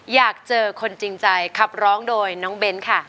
อยากเจอคนจริงใจขับร้องโดยน้องเบ้นค่ะ